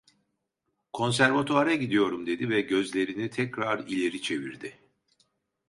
"Konservatuvara gidiyorum!" dedi ve gözlerini tekrar ileri çevirdi.